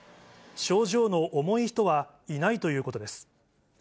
症状の重い人はいないということです。